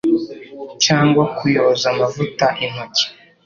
cyangwa kuyoza amavuta intoki